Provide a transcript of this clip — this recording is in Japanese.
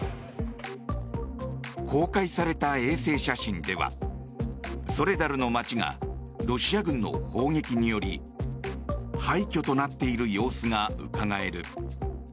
公開された衛星写真ではソレダルの街がロシア軍の砲撃により廃虚となっている様子がうかがえる。